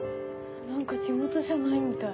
何か地元じゃないみたい。